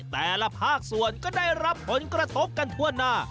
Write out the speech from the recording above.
แต่ละภาคส่วนก็ได้รับผลกระทบกันทั่วหน้า